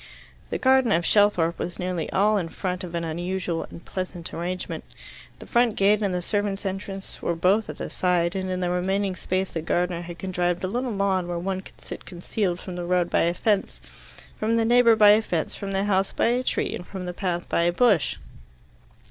The garden of Shelthorpe was nearly all in front an unusual and pleasant arrangement. The front gate and the servants' entrance were both at the side, and in the remaining space the gardener had contrived a little lawn where one could sit concealed from the road by a fence, from the neighbour by a fence, from the house by a tree, and from the path by a bush.